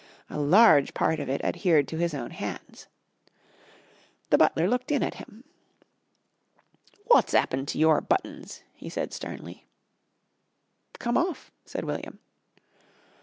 A large part of it adhered to his own hands. The butler looked in at him. "Wot's 'appened to your buttons?" he said sternly. "Come off," said William.